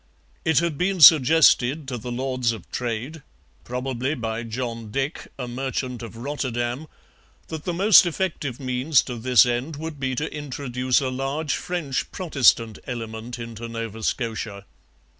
It had been suggested to the Lords of Trade, probably by John Dick, a merchant of Rotterdam, that the most effective means to this end would be to introduce a large French Protestant element into Nova Scotia.